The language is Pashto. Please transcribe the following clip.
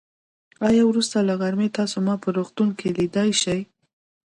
آيا وروسته له غرمې تاسو ما په روغتون کې ليدای شئ.